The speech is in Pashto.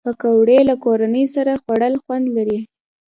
پکورې له کورنۍ سره خوړل خوند لري